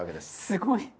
すごい。